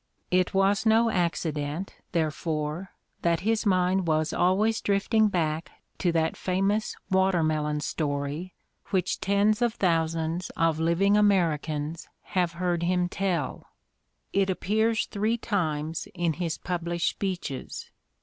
It was no accident, therefore, that his mind was always drifting back to that famous watermelon story which tens of thousands of living Mustered Out 249 Americans have heard him tell: it appears three times in his published speeches.